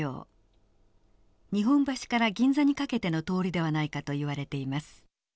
日本橋から銀座にかけての通りではないかといわれています。